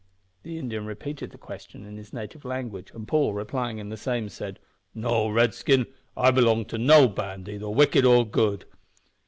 The Indian repeated the question in his native language, and Paul, replying in the same, said "No, Redskin, I belong to no band, either wicked or good."